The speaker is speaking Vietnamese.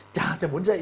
chả muốn dậy